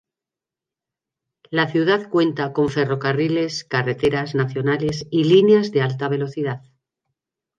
La ciudad cuenta con ferrocarriles, carreteras nacionales y líneas de alta velocidad.